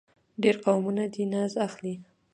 ډېر قومونه دې ناز اخلي.